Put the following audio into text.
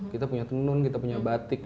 kita punya tenun kita punya batik